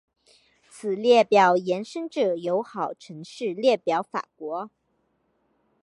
此列表延伸至友好城市列表法国。